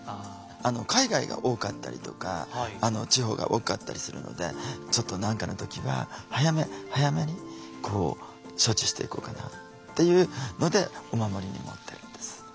海外が多かったりとか地方が多かったりするのでちょっと何かの時は早め早めに処置していこうかなっていうのでお守りに持ってるんです。